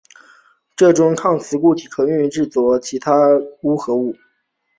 这种抗磁性固体可以用于制备其它钨配合物。